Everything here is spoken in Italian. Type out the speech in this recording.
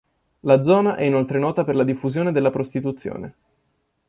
La zona è inoltre nota per la diffusione della prostituzione.